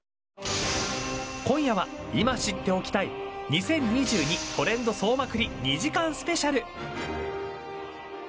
今夜は今知っておきたい２０２２、トレンド総まくり２時間スペシャル。